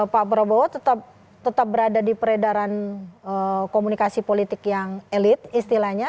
pak prabowo tetap berada di peredaran komunikasi politik yang elit istilahnya